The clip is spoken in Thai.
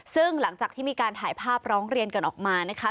ซึ่งหลังจากที่มีการถ่ายภาพร้องเรียนกันออกมานะคะ